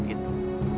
itu butik itu